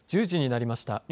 １０時になりました。